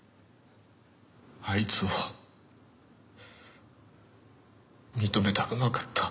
あいつを認めたくなかった。